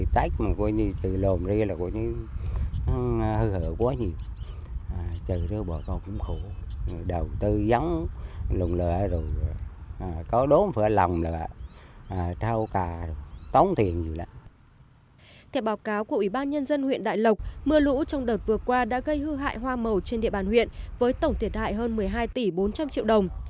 theo báo cáo của ủy ban nhân dân huyện đại lộc mưa lũ trong đợt vừa qua đã gây hư hại hoa màu trên địa bàn huyện với tổng thiệt hại hơn một mươi hai tỷ bốn trăm linh triệu đồng